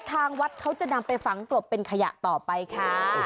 ทางวัดเขาจะนำไปฝังกลบเป็นขยะต่อไปค่ะ